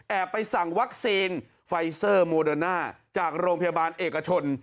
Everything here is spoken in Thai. ไปสั่งวัคซีนไฟเซอร์โมเดอร์น่าจากโรงพยาบาลเอกชน